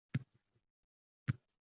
Har kun, har kun qistab onasin: